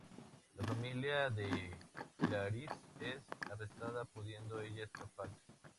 La familia de Clarisse es arrestada, pudiendo ella escaparse.